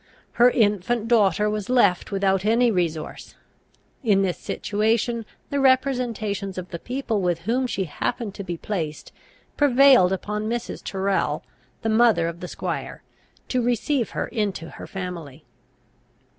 Her infant daughter was left without any resource. In this situation the representations of the people with whom she happened to be placed, prevailed upon Mrs. Tyrrel, the mother of the squire, to receive her into her family.